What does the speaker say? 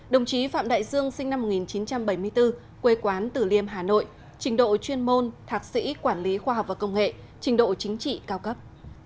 đồng chí phạm đại dương sinh năm một nghìn chín trăm bảy mươi bốn quê quán tử liêm hà nội trình độ chuyên môn thạc sĩ quản lý khoa học và công nghệ trình độ chính trị cao cấp